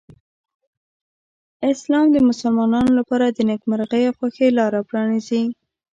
اسلام د مسلمانانو لپاره د نېکمرغۍ او خوښۍ لاره پرانیزي.